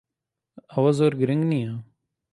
ئەوە زۆر گرنگ نییە.